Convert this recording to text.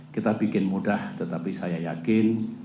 kita bikin mudah tetapi saya yakin